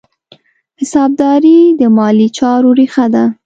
حسابداري د مالي چارو ریښه ده.